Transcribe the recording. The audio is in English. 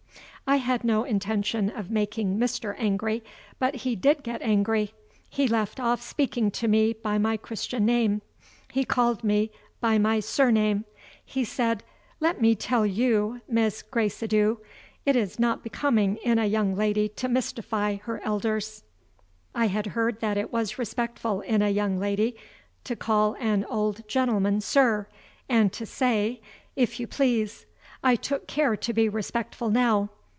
I had no intention of making Mr. angry, but he did get angry. He left off speaking to me by my Christian name; he called me by my surname. He said: "Let me tell you, Miss Gracedieu, it is not becoming in a young lady to mystify her elders." I had heard that it was respectful in a young lady to call an old gentleman, Sir, and to say, If you please. I took care to be respectful now.